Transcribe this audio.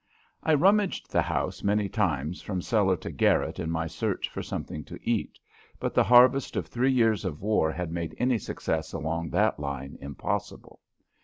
I rummaged the house many times from cellar to garret in my search for something to eat, but the harvest of three years of war had made any success along that line impossible.